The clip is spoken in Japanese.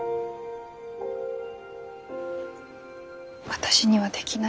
私にはできない。